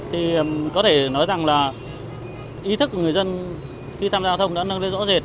thì có thể nói rằng là ý thức của người dân khi tham gia giao thông đã nâng lên rõ rệt